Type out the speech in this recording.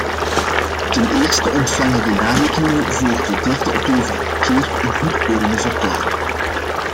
Ten eerste ontvangen de jaarrekeningen voor de derde opeenvolgende keer een goedkeurende verklaring.